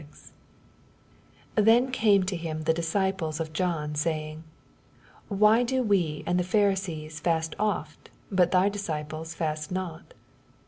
14 Then came to him the disciples of John, sa^ng, Why do we and the Pharisees fast oft, hut thy disciples fast not